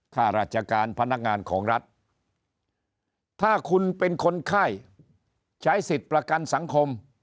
ข้าราชการพนักงานของรัฐถ้าคุณเป็นคนไข้ใช้สิทธิ์ประกันสังคม